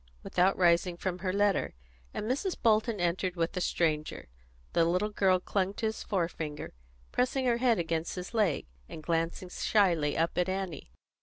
without rising from her letter, and Mrs. Bolton entered with a stranger. The little girl clung to his forefinger, pressing her head against his leg, and glancing shyly up at Annie.